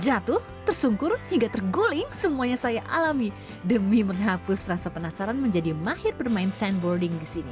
jatuh tersungkur hingga terguling semuanya saya alami demi menghapus rasa penasaran menjadi mahir bermain sandboarding di sini